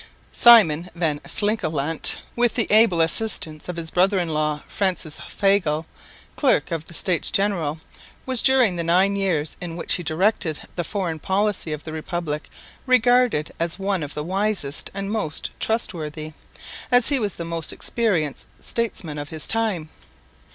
Simon van Slingelandt, with the able assistance of his brother in law Francis Fagel, clerk of the States General, was during the nine years in which he directed the foreign policy of the Republic regarded as one of the wisest and most trustworthy, as he was the most experienced statesman of his time.